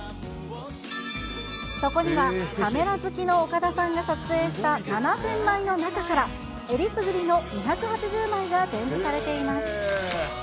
そこには、カメラ好きの岡田さんが撮影した７０００枚の中から、えりすぐりの２８０枚が展示されています。